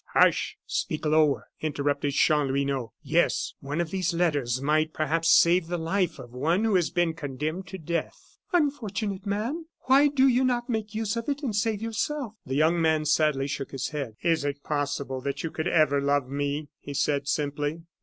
"Hush, speak lower!" interrupted Chanlouineau. "Yes, one of these letters might perhaps save the life of one who has been condemned to death." "Unfortunate man! Why do you not make use of it and save yourself?" The young man sadly shook his head. "Is it possible that you could ever love me?" he said, simply.